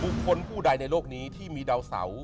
ผู้ใดในโลกนี้ที่มีดาวเสา